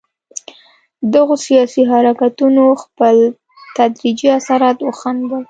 دغو سیاسي حرکتونو خپل تدریجي اثرات وښندل.